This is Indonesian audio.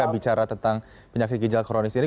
bicara tentang penyakit ginjal kronis ini